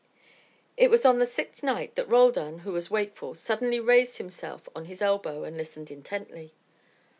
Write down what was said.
It was on the sixth night that Roldan, who was wakeful, suddenly raised himself on his elbow and listened intently.